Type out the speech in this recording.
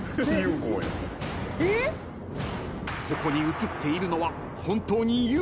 ［ここに写っているのは］